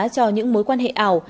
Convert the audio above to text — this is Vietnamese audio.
cho những mối quan hệ ảo